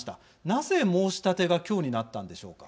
なぜ、申し立てが今日になったのでしょうか。